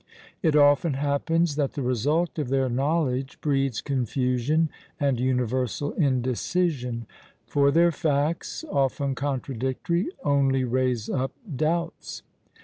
It often happens that the result of their knowledge breeds confusion and universal indecision; for their facts, often contradictory, only raise up doubts.